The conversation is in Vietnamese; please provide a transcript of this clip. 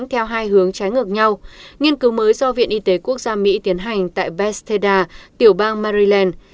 theo hai hướng trái ngược nhau nghiên cứu mới do viện y tế quốc gia mỹ tiến hành tại bez theda tiểu bang maryland